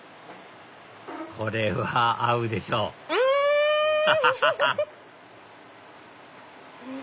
これは合うでしょうん！